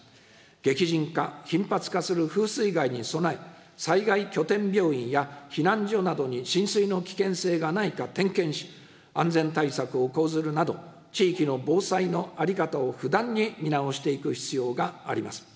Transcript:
激甚化、頻発化する風水害に備え、災害拠点病院や避難所などに浸水の危険性がないか点検し、安全対策を講ずるなど、地域の防災の在り方を不断に見直していく必要があります。